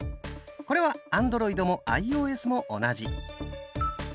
これはアンドロイドもアイオーエスも同じ。